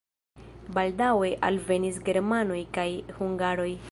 Baldaŭe alvenis germanoj kaj hungaroj.